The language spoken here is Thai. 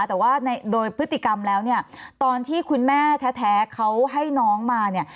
แต่ว่าโดยพฤติกรรมแล้วเนี่ยตอนที่คุณแม่แท้เขาให้น้องมาเนี่ย